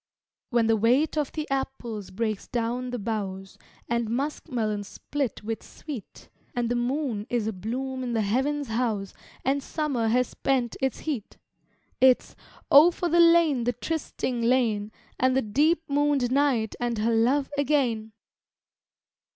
When the weight of the apples breaks down the boughs, And musk melons split with sweet, And the moon is a bloom in the Heaven's house, And summer has spent its heat It's Oh, for the lane, the trysting lane, And the deep mooned night and her love again!